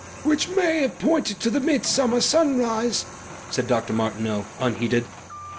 "Which may have pointed to the midsummer sunrise," said Dr. Martineau, unheeded.